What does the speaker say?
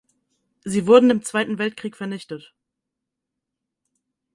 Sie wurden im Zweiten Weltkrieg vernichtet.